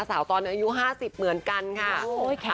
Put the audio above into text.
ตอนอายุ๕๐เหมือนกันค่ะ